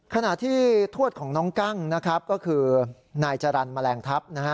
ขณะที่ทวดของน้องกั้งก็คือนายจรรย์แมลงทัพ